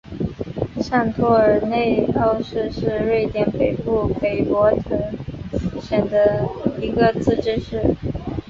上托尔内奥市是瑞典北部北博滕省的一个自治市。